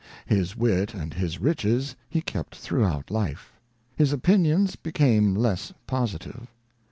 His wit and his riches he kept throughout life ; his opinions became less positive.